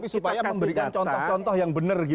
supaya memberikan contoh contoh yang benar